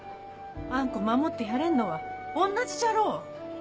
あん子守ってやれんのは同じじゃろ！